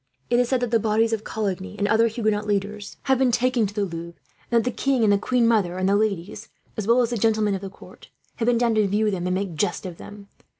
It is said that the bodies of Coligny, and other Huguenot leaders, have been taken to the Louvre; and that the king and the queen mother and the ladies, as well as the gentlemen of the court, have been down to view them and make a jest of them.